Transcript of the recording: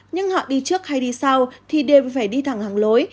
nhưng họ đi trước hay đi sau thì đêm phải đi thẳng hàng lối